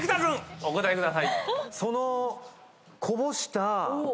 お答えください。